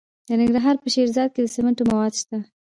د ننګرهار په شیرزاد کې د سمنټو مواد شته.